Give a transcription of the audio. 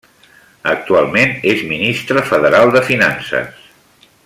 Actualment, és ministre federal de Finances.